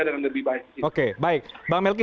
dengan lebih baik oke baik bang melki